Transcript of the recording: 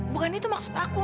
bukan itu maksud aku